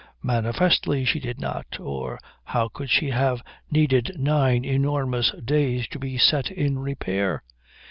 Manifestly she did not, or how could she have needed nine enormous days to be set in repair?